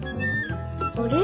あれ？